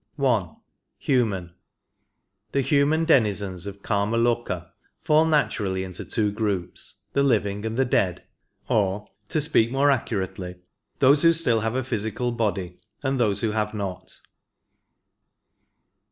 I. HUMAN. The human denizens of Kamaloka fall naturally into two groups, the living and the dead, or, to speak more accur ately, those who have still a physical body, and those who have not.